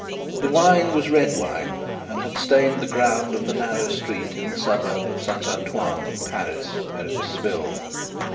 The wine was red wine, and had stained the ground of the narrow street in the suburb of Saint Antoine, in Paris, where it was spilled.